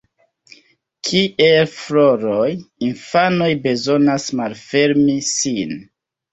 Kiel floroj, infanoj bezonas ‘malfermi’ sin.